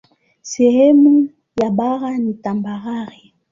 Sehemu ya bara ni tambarare.